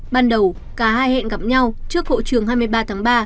ban đầu cả hai hẹn gặp nhau trước hộ trường hai mươi ba tháng ba